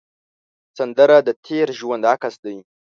سندره د تېر ژوند عکس دی